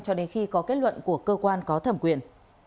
cho đến khi có kết luận của cơ quan có thẩm quyền